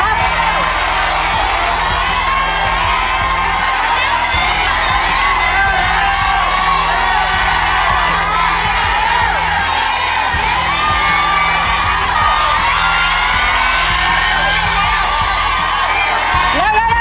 ใกล้แล้วไข่มานิดนึก